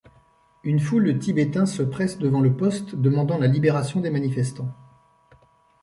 Une foule de Tibétains se presse devant le poste demandant la libération des manifestants.